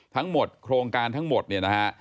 ทั้งหมดโครงการทั้งหมดเนี่ยนะฮะ